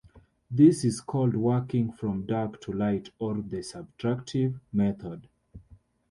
This is called working from "dark to light", or the "subtractive" method.